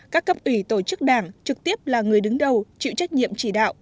các cấp ủy tổ chức đảng trực tiếp là người đứng đầu chịu trách nhiệm chỉ đạo